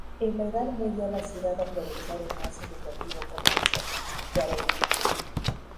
En la Edad Media la ciudad aprovechó además el lucrativo comercio de arenque.